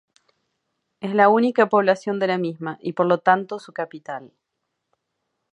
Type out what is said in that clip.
Es la única población de la misma, y por lo tanto su capital.